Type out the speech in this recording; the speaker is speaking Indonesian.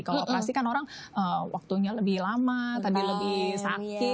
kalau operasi kan orang waktunya lebih lama tadi lebih sakit